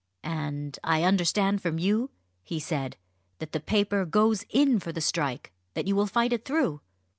"And I understand from you," he said, "that the paper goes in for the strike, that you will fight it through?"